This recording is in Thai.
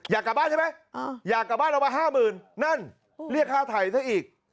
อยากกลับบ้านใช่ไหมอยากกลับบ้านเรามา๕๐๐๐นั่นเรียกค่าไถ่ซะอีก